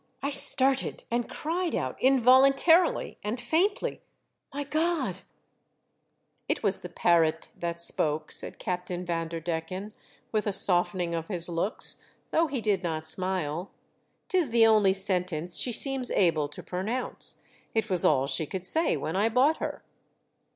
I started, and cried out involuntarily and faintly, " My God !" "It was the parrot that spoke," said Captain Vanderdecken, with a softening of his looks, though he did not smile. " Tis the only sentence she seems able to pronounce. It was all she could say when I bought her."